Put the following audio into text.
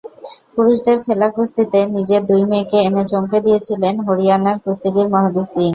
পুরুষদের খেলা কুস্তিতে নিজের দুই মেয়েকে এনে চমকে দিয়েছিলেন হরিয়ানার কুস্তিগির মহাবীর সিং।